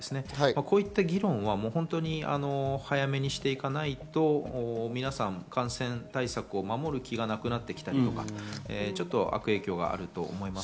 こういった議論は早めにしていかないと皆さん感染対策を守る気がなくなってきたりとか悪影響があると思います。